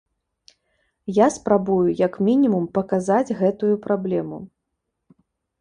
Я спрабую як мінімум паказаць гэтую праблему.